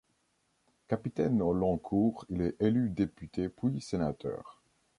Capitaine au long cours, il est élu député puis sénateur.